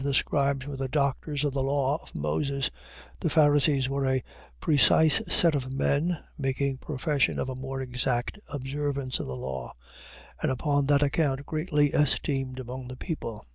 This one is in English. . .The scribes were the doctors of the law of Moses: the Pharisees were a precise set of men, making profession of a more exact observance of the law: and upon that account greatly esteemed among the people.